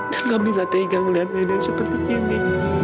dan kami gak tegang lihat nenek seperti ini